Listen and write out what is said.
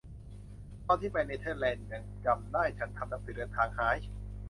ตอนที่ไปเนเธอร์แลนด์ ยังจำได้ ฉันทำหนังสือเดินทางหาย